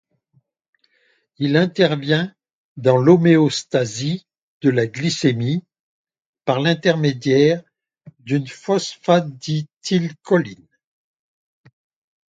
Il intervient dans l'homéostasie de la glycémie par l'intermédiaire d'une phosphatidylcholine.